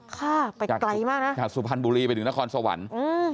ค่ะไปไกลมากนะจากสุพรรณบุรีไปถึงนครสวรรค์อืม